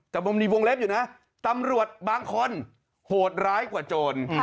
แต่มันมีวงเล็บอยู่นะตำรวจบางคนโหดร้ายกว่าโจร